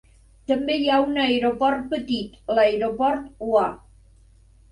També hi ha un aeroport petit, l'aeroport Wa.